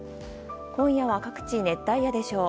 今夜は各地、熱帯夜でしょう。